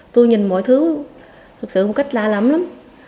tôi nhìn mọi thứ thật sự một cách lạ lắm